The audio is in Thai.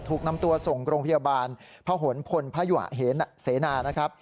ถูกนำตัวส่งโรงพยาบาลพะหนพลพยุหะเสนานะครับ